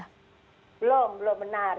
belum belum benar